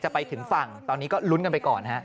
ไปถึงฝั่งตอนนี้ก็ลุ้นกันไปก่อนฮะ